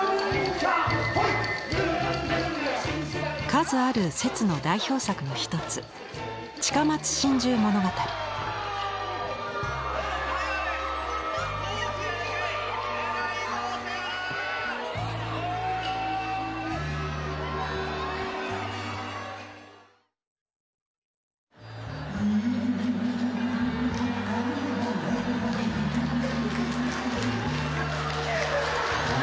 数ある摂の代表作の一つひゃあ！